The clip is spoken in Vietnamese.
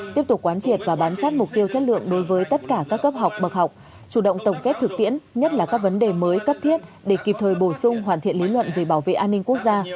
tiếp tục quán triệt và bám sát mục tiêu chất lượng đối với tất cả các cấp học bậc học chủ động tổng kết thực tiễn nhất là các vấn đề mới cấp thiết để kịp thời bổ sung hoàn thiện lý luận về bảo vệ an ninh quốc gia